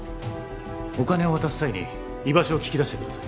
お金を渡す際に居場所を聞き出してください